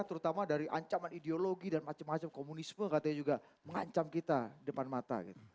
terutama dari ancaman ideologi dan macam macam komunisme katanya juga mengancam kita depan mata